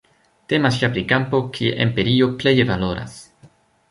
Temas ja pri kampo, kie empirio pleje valoras.